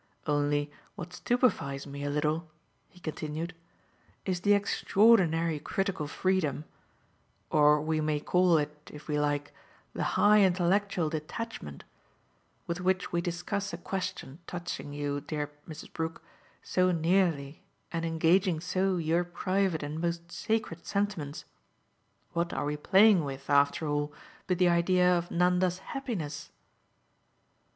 Only what stupefies me a little," he continued, "is the extraordinary critical freedom or we may call it if we like the high intellectual detachment with which we discuss a question touching you, dear Mrs. Brook, so nearly and engaging so your private and most sacred sentiments. What are we playing with, after all, but the idea of Nanda's happiness?"